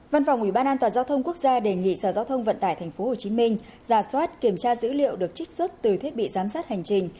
văn phòng ubnd giao thông quốc gia đề nghị sở giao thông vận tải tp hcm giả soát kiểm tra dữ liệu được trích xuất từ thiết bị giám sát hành trình